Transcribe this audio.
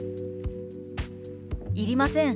「いりません。